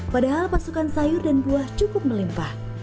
padahal pasukan sayur dan buah cukup melimpah